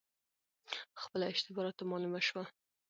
خپله اشتباه راته معلومه شوه،